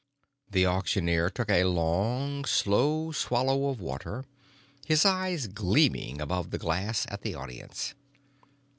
The auctioneer took a long, slow swallow of water, his eyes gleaming above the glass at the audience.